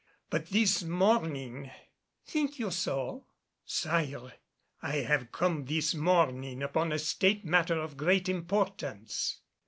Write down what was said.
But this morning " "Think you so?" "Sire, I have come this morning upon a State matter of great importance."